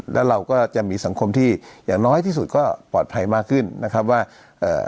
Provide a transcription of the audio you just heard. แล้วเราก็จะมีสังคมที่อย่างน้อยที่สุดก็ปลอดภัยมากขึ้นนะครับว่าเอ่อ